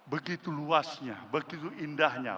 begitu luasnya begitu indahnya